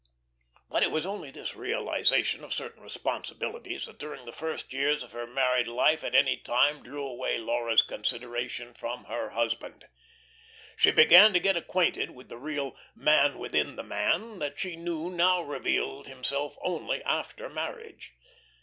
But it was only this realisation of certain responsibilities that during the first years of her married life at any time drew away Laura's consideration of her husband. She began to get acquainted with the real man within the man that she knew now revealed himself only after marriage.